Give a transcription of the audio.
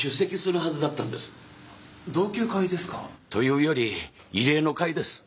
同級会ですか？というより慰霊の会です。